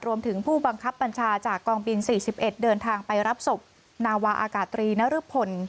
รวมถึงผู้บังคับบัญชาจากกองบิน๔๑เดินทางไปรับศพนาวาอากาศตรีนรพล